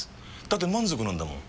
だって満足なんだもん。